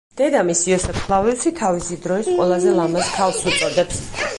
დედამისს იოსებ ფლავიუსი „თავისი დროის ყველაზე ლამაზ ქალს“ უწოდებს.